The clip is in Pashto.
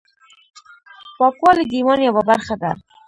پاکوالی د ایمان یوه برخه ده۔